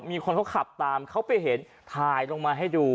มีคนเขาขับตามเขาไปเห็นถ่ายลงมาให้ดู